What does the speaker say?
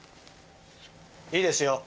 いいですよ。